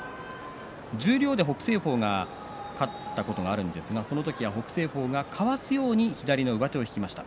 十両で北青鵬が勝ったことがあるんですがその時は北青鵬がかわすように左の上手を引きました。